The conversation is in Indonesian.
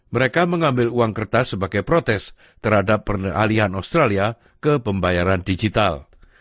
mereka mengambil uang kertas sebagai protes terhadap pernalian australia ke pembayaran digital